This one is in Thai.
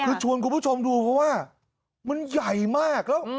คือชวนคุณผู้ชมดูเพราะว่ามันใหญ่มากแล้ว